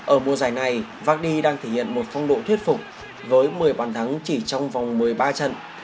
ở mùa giải này vagi đang thể hiện một phong độ thuyết phục với một mươi bàn thắng chỉ trong vòng một mươi ba trận